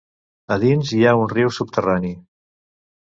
A dins hi ha un riu subterrani.